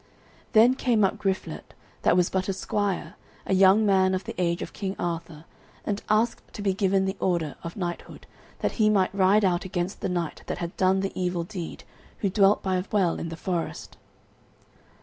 Then came up Griflet, that was but a squire, a young man of the age of King Arthur, and asked to be given the order of knighthood, that he might ride out against the knight that had done the evil deed, who dwelt by a well in the forest.